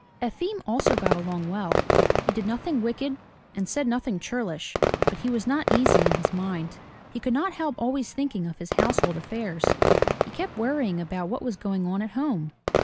Efim also got along well. He did nothing wicked, and said 154 FROM THE TOWER WINDOW nothing churlish, but he was not easy in his mind. He could not help always thinking of his household affairs. He kept worrying about what was going on at home.